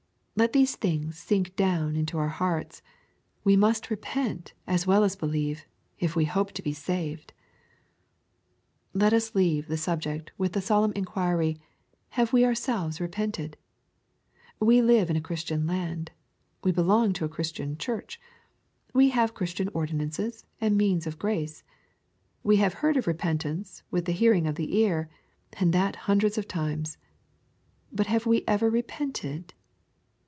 Let these things sink down into our hearts. We must repent as well as believe, if we hope to be saved. Let us leave the subject with the solemn inc^uiry, — Have we ourselves repented ? We live in a Christian land. We belong to a Christian Church. We have Christian ordinances and means of grace. We have heard of repentance with the hearing of the ear, and that hundreds of times. But have we ever repented